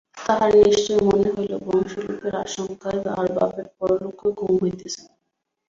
তাহার নিশ্চয় মনে হইল বংশলোপের আশঙ্কায় তাহার বাপের পরলোকেও ঘুম হইতেছে না।